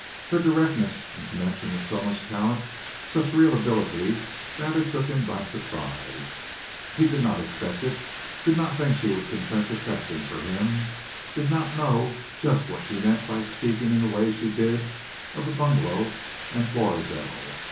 Her directness, in connection with so much talent, such real ability, rather took him by surprise. He did not expect it did not think she would confess affection for him; did not know just what she meant by speaking in the way she did of the bungalow and Florizel.